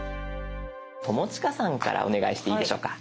友近さんからお願いしていいでしょうか。